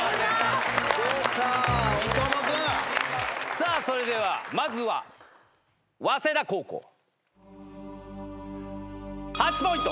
さすが！それではまずは早稲田高校８ポイント。